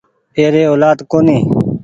ايري اولآد ڪونيٚ